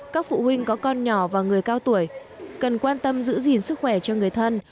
các phụ huynh có con nhỏ và người cao tuổi cần quan tâm giữ gìn sức khỏe cho người thân